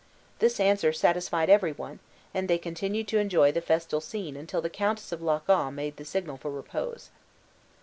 This answer satisfied every one, and they continued to enjoy the festal scene until the Countess of Loch awe made the signal for repose.